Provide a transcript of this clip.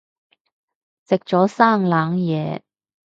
食咗生冷嘢